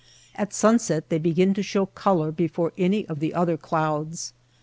At sunset they begin to show color before any of the other clouds.